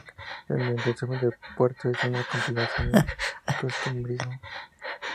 En resumen el puerto es una compilación de costumbrismo.